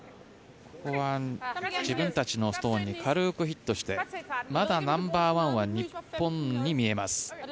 自分たちのストーンに軽くヒットしてまだナンバーワンは日本に見えます。